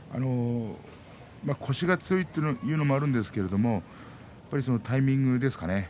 腰が強いというのもあるんですがやはりタイミングですね。